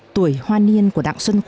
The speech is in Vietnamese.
tuổi hoa niên của đảng xuân khu